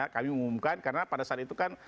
kami umumkan karena pada saat itu kan